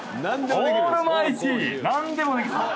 何でも。